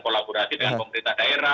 kolaborasi dengan pemerintah daerah